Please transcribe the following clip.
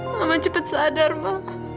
mama cepet sadar ma